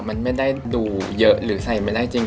มันไม่ได้ดูเยอะหรือใส่ไม่ได้จริง